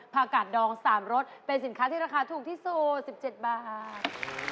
กาดดอง๓รสเป็นสินค้าที่ราคาถูกที่สุด๑๗บาท